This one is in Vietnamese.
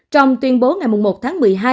trong tuyên bố ngày một tháng một mươi hai